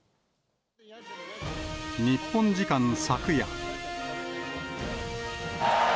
日本時間昨夜。